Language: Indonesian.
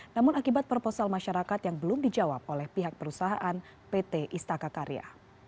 namun akibat proposal masyarakat yang belum dijawab oleh pihak perusahaan pt istaka karya